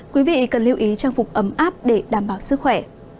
quý vị cần lưu ý trang phục ấm áp để đảm bảo sức khỏe